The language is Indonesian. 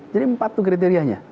jadi empat tuh kriterianya